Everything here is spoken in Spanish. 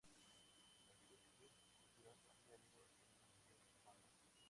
Natsuki es gran fan del anime y el manga.